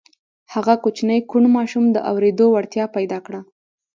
هغه کوچني کوڼ ماشوم د اورېدو وړتیا پیدا کړه